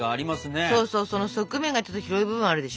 そうそうその側面がちょっと広い部分あるでしょ？